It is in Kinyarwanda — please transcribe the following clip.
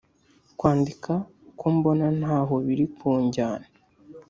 Kwandika ko mbona ntaho biri kunjyana